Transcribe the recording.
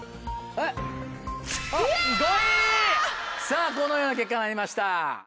さぁこのような結果になりました。